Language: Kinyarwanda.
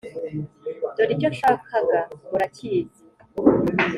dore icyo nshaka ga muracyizi